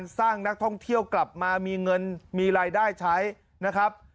สร้างนักท่องเที่ยวกลับมามีเงินมีรายได้ใช้นะครับ